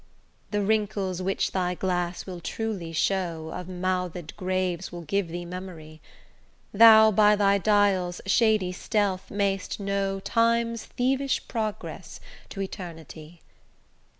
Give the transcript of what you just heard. The wrinkles which thy glass will truly show Of mouthed graves will give thee memory; Thou by thy dial's shady stealth mayst know Time's thievish progress to eternity.